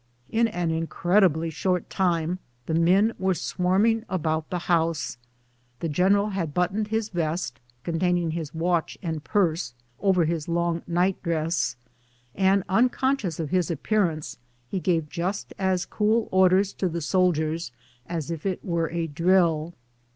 In an incredibly short time the men were swarming about the house. The general had buttoned his vest, containing his watch and purse, over his long night dress, and unconscious of his appearance, gave just as cool orders to the soldiers as if it were at drill.